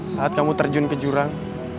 saat kamu terjun ke jurang